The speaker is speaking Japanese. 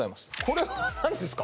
これは何ですか？